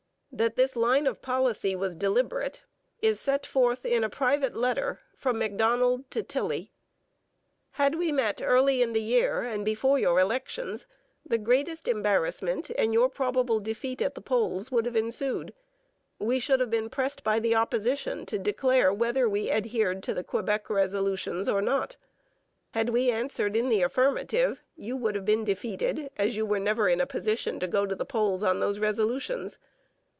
That this line of policy was deliberate, is set forth in a private letter from Macdonald to Tilley: Had we met early in the year and before your elections, the greatest embarrassment and your probable defeat at the polls would have ensued. We should have been pressed by the Opposition to declare whether we adhered to the Quebec resolutions or not. Had we answered in the affirmative, you would have been defeated, as you were never in a position to go to the polls on those resolutions.